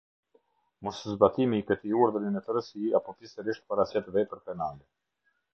Moszbatimi i këtij urdhri në tërësi apo pjesërisht paraqet vepër penale.